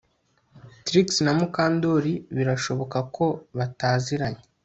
Trix na Mukandoli birashoboka ko bataziranye